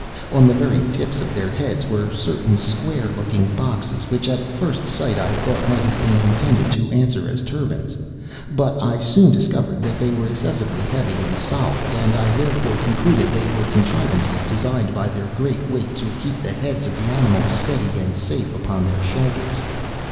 On the very tips of their heads were certain square looking boxes, which, at first sight, I thought might have been intended to answer as turbans, but I soon discovered that they were excessively heavy and solid, and I therefore concluded they were contrivances designed, by their great weight, to keep the heads of the animals steady and safe upon their shoulders.